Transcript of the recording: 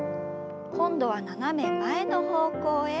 今度は斜め前の方向へ。